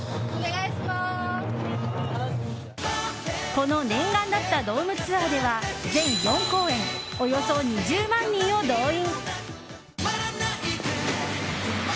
この念願だったドームツアーでは全４公演、およそ２０万人を動員。